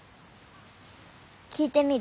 聞いてみる？